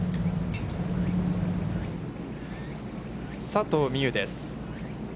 佐藤心結です。